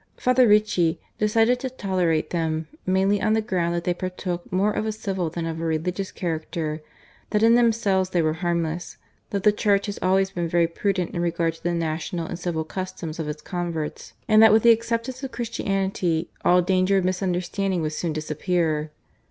Father Ricci decided to tolerate them, mainly on the ground that they partook more of a civil than of a religious character, that in themselves they were harmless, that the Church has been always very prudent in regard to the national and civil customs of its converts, and that with the acceptance of Christianity all danger of misunderstanding would soon disappear.